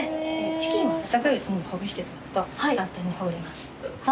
チキンは温かいうちにほぐしていただくと簡単にほぐれます。